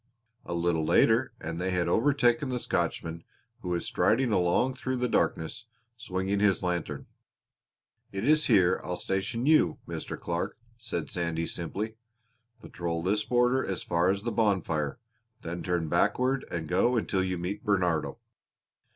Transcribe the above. A little later and they had overtaken the Scotchman, who was striding along through the darkness, swinging his lantern. "It is here I'll station you, Mr. Clark," said Sandy simply. "Patrol this border as far as the bonfire; then turn backward and go until you meet Bernardo.